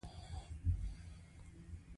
ډاکټر وحید احمد حشمتی په هغه روغتون کې و